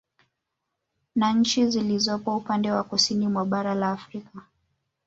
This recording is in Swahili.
Na nchi zilizopo upande wa Kusini mwa bara la Afrika